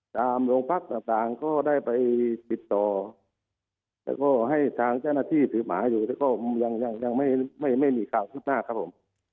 ตามโรงพักต่างก็ได้ไปติดต่อแล้วก็ให้ทางเจ้าหน้าที่สืบหาอยู่แต่ก็ยังยังไม่ไม่มีความคืบหน้าครับผม